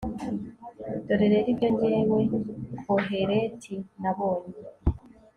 dore rero ibyo jyewe, koheleti, nabonye